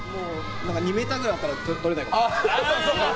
２ｍぐらいあったらとれないかも。